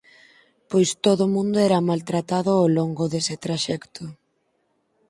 Pois todo o mundo era maltratado ó longo dese traxecto.